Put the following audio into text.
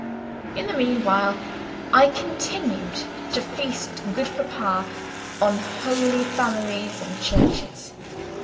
In the meanwhile, I continued to feast good Papa on Holy Families and churches.